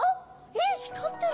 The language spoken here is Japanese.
えっ光ってる！